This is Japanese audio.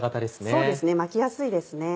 そうですね巻きやすいです。